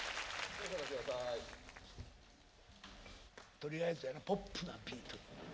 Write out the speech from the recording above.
「とりあえずポップなビートで」。